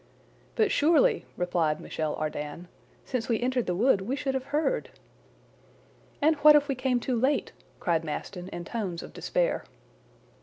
"But surely," replied Michel Ardan, "since we entered the wood we should have heard!" "And what if we came too late?" cried Maston in tones of despair.